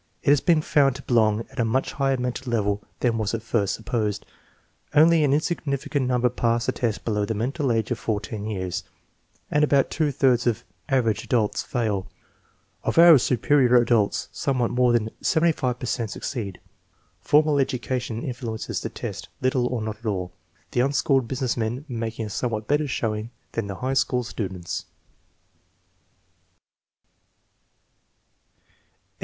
It has been found to belong at a much higher mental level than was at first supposed. Only an insignificant number pass the test below the mental age of 14 years, and about two thirds of " average adults " fail. Of our " superior adults " somewhat more than 75 per cent succeed. Formal education influences the test little or not at all, the unschooled business men making a somewhat better showing than the high school students.